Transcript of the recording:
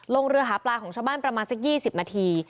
เรือหาปลาของชาวบ้านประมาณสัก๒๐นาที